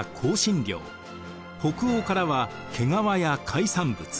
北欧からは毛皮や海産物。